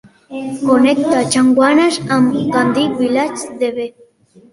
Connecta Chaguanas amb Ghandi Village, Debe.